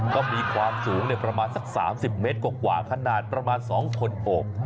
ก็มีความสูงประมาณสัก๓๐เมตรกว่าขนาดประมาณ๒คนโอบ